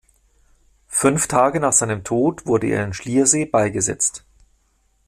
Fünf Tage nach seinem Tod wurde er in Schliersee beigesetzt.